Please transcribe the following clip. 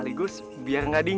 rendah dan rehat bisa